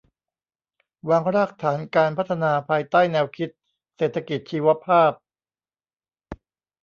วางรากฐานการพัฒนาภายใต้แนวคิดเศรษฐกิจชีวภาพ